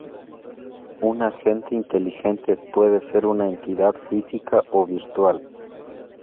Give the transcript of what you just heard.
Un agente inteligente puede ser una entidad física o virtual.